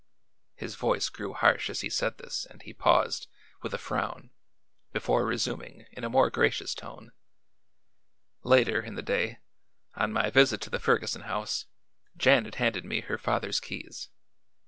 His voice grew harsh as he said this and he paused, with a frown, before resuming in a more gracious tone: "Later in the day, on my visit to the Ferguson house, Janet handed me her father's keys.